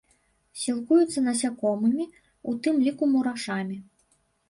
Сілкуецца насякомымі, у тым ліку мурашамі.